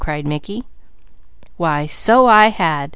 cried Mickey. "_Why so I had!